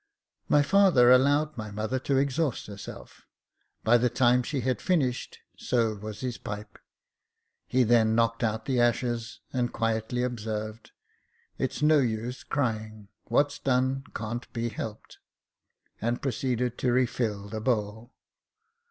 My father allowed my mother to exhaust herself. By the time she had finished, so was his pipe ; he then knocked out the ashes, and quietly observed, " It's no use crying ; what's done can't be helped," and proceeded to refill the bowl.